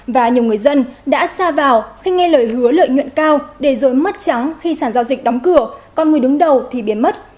và nhiều người dân đã xa vào khi nghe lời hứa lợi nhuận cao để rồi mất trắng khi sản giao dịch đóng cửa còn người đứng đầu thì biến mất